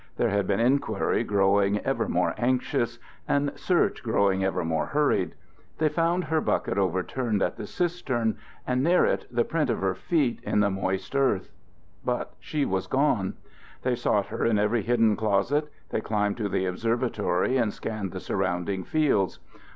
There had been inquiry growing ever more anxious, and search growing ever more hurried. They found her bucket overturned at the cistern, and near it the print of her feet in the moist earth. But she was gone. They sought her in every hidden closet, they climbed to the observatory and scanned the surrounding fields.